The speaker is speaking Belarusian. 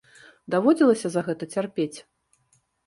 Даводзілася за гэта цярпець?